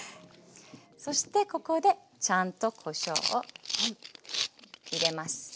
そしてここでちゃんとこしょうを入れます。